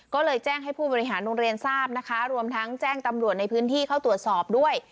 ก็เลยแจ้งให้ผู้บริหารโรงเรียนทราบนะคะรวมทั้งแจ้งตำรวจในพื้นที่เข้าตรวจสอบด้วย